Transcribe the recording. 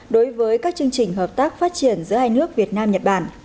đối với các chương trình hợp tác phát triển giữa hai nước việt nam nhật bản